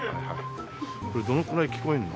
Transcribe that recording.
これどのくらい聞こえるの？